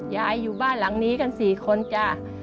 อยู่บ้านหลังนี้กัน๔คนจ้ะ